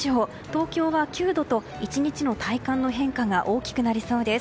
東京は９度と１日の体感の変化が大きくなりそうです。